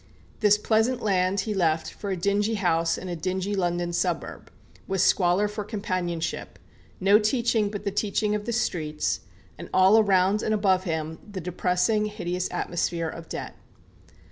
This pleasant land he left for a dingy house in a dingy London suburb, with squalor for companionship, no teaching but the teaching of the streets, and all around and above him the depressing hideous atmosphere of debt.